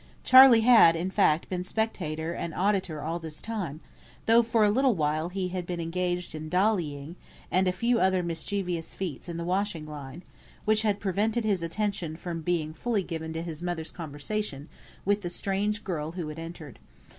Charley had, in fact, been spectator and auditor all this time; though for a little while he had been engaged in "dollying" and a few other mischievous feats in the washing line, which had prevented his attention from being fully given to his mother's conversation with the strange girl who had entered.